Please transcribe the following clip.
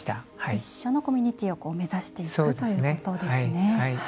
一緒のコミュニティーを目指していくということですね。